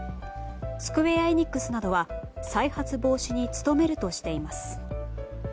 スクウェア・エニックスなどは再発防止に努めるとしています。